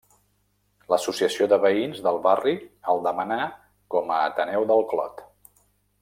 L'Associació de Veïns del barri el demanà com a Ateneu del Clot.